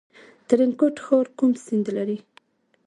ترینکوټ ښار کوم سیند لري؟